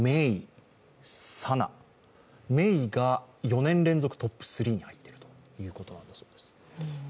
メイが４年連続トップ３に入っているということなんだそうです。